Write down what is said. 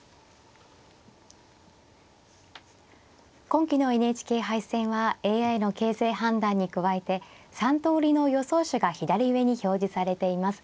今期のＮＨＫ杯戦はＡＩの形勢判断に加えて３通りの予想手が左上に表示されています。